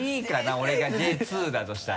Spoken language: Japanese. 俺がＪ２だとしたら。